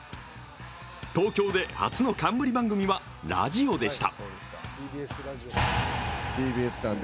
東京で初の冠番組はラジオでした。